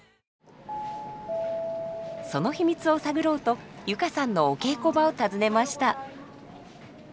その秘密を探ろうと佑歌さんのお稽古場を訪ねました。